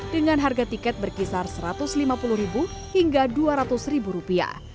dengan harga tiket berkisar rp satu ratus lima puluh hingga rp dua ratus